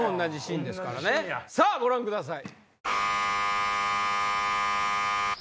さぁご覧ください！